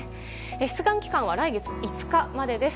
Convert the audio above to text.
出願期間は来月５日までです。